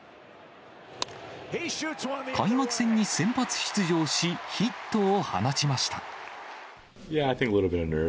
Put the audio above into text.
開幕戦に先発出場し、ヒットを放ちました。